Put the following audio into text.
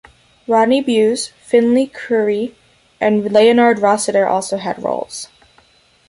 Rodney Bewes, Finlay Currie, and Leonard Rossiter also had roles.